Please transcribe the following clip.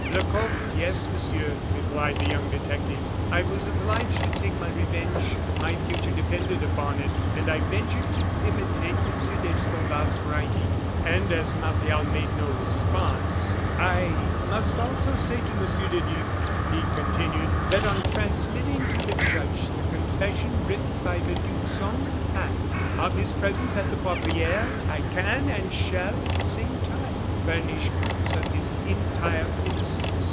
"Lecoq, yes, Monsieur," replied the young detective. "I was obliged to take my revenge; my future depended upon it, and I ventured to imitate Monsieur d'Escorval's writing." And as Martial made no response: "I must also say to Monsieur le Duc," he continued, "that on transmitting to the judge the confession written by the Duke's own hand, of his presence at the Poivriere, I can and shall, at the same time, furnish proofs of his entire innocence."